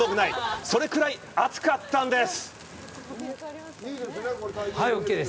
それぐらい熱かったんです。